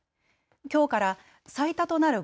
きょうから最多となる